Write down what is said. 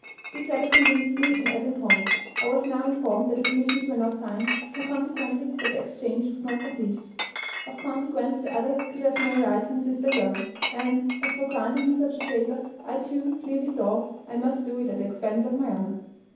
"This letter convinced me in every point. I was now informed that the commissions were not signed, and consequently that the exchange was not compleated; of consequence the other could have no right to insist on going; and, as for granting him such a favour, I too clearly saw I must do it at the expense of my honour.